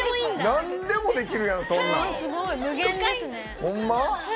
なんでもできるやん、そんなん。